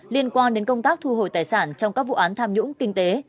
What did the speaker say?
liên quan đến công tác thu hồi tài sản trong các vụ án tham nhũng kinh tế